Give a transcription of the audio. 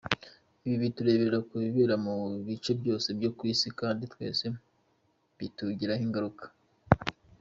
Ibi tubirebera ku bibera mu bice byose byo ku isi kandi twese bitugiraho ingaruka.